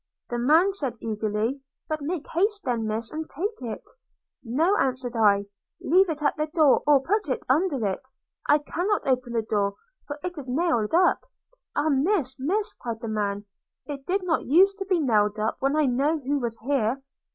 The man said, eagerly, 'But make haste then, Miss, and take it.' – 'No,' answered I; 'leave it at the door, or put it under it; I cannot open the door, for it is nailed up.' – 'Ah! Miss, Miss!' cried the man; 'it did not used to be nailed up when I know who was here.'